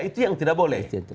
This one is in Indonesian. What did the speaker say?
itu yang tidak boleh